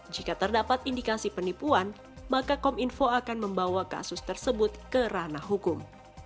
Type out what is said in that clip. jika terdapat indikasi penipuan maka kominfo akan membawa kasus tersebut ke ranah hukum